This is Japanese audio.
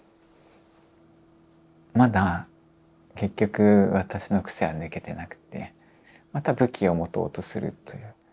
まだ結局私の癖は抜けてなくてまた武器を持とうとするという。